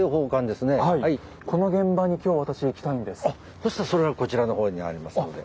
そしたらそれはこちらの方にありますので。